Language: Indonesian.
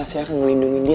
saya akan melindungi dia